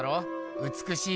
うつくしい